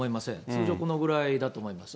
通常このぐらいだと思います。